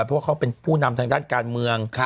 เพราะว่าเขาเป็นผู้นำทางด้านการเมือง